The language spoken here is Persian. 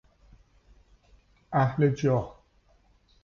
اهل جاه